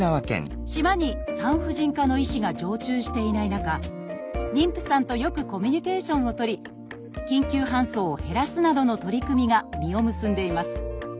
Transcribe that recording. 島に産婦人科の医師が常駐していない中妊婦さんとよくコミュニケーションを取り緊急搬送を減らすなどの取り組みが実を結んでいます。